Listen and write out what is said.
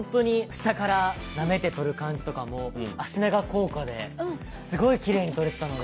下からなめて撮る感じとかも脚長効果ですごいきれいに撮れてたので。